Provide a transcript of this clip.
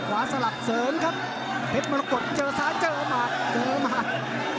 สำหรับเสิร์นครับเทพมะละกดเจอซ้ายเจอหมากเจอหมาก